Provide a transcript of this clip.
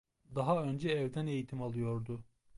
Daha önce evden eğitim alıyordu.